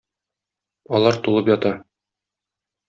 Алар тулып ята.